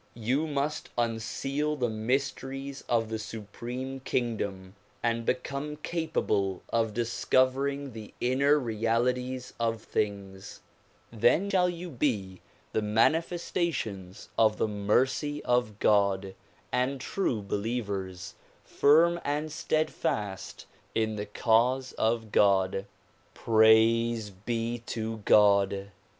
You must unseal the mysteries of the supreme kingdom and become capable of discovering the inner realities of things. Then shall you be DISCOURSES DELIVERED IN NEW YORK 223 the manifestations of the mercy of God, and true believers, firm and steadfast in the cause of God. Praise be to God